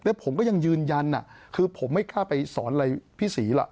แล้วผมก็ยังยืนยันคือผมไม่ค่าไปสอนอะไรพิษีหรอก